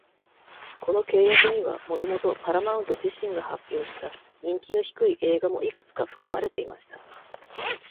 この契約には、もともとパラマウント自身が発表した人気の低い映画もいくつか含まれていました。